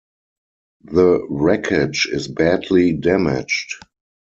The wreckage is badly damaged.